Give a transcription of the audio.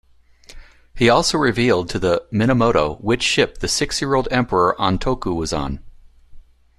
He also revealed to the Minamoto which ship the six-year-old Emperor Antoku was on.